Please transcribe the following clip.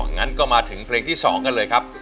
งั้นก็มาถึงเพลงที่๒กันเลยครับ